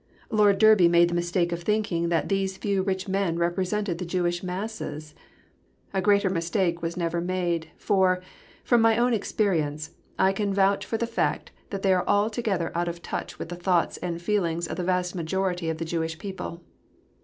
Lord Derby made the mistake of thinking that these few rich men represented the Jewish masses. A greater mistake was never made, for, from my own experience, I can vouch for the fact that they are altogether out of touch with the thoughts and feelings of the vast majority of the Jewish people.